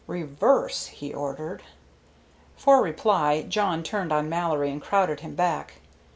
"Reverse!" he ordered. For reply Jawn turned on Mallory and crowded him back.